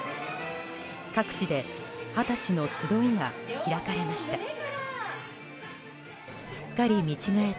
各地で二十歳の集いが開かれました。